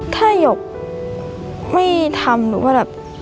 ถ้าหยกไม่ทำหรือว่าแบบ